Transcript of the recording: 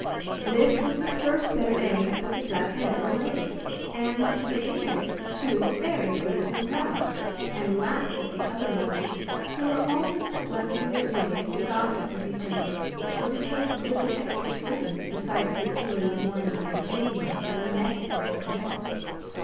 This was the first set of eggs that the duck had ever laid, and, to begin with, she was very pleased and proud, and laughed at the other mothers, who were always neglecting their duties to gossip with each other or to take little extra swims besides the two in the morning and evening that were necessary for health.